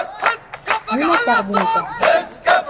Нимә тәҡдим итәһең?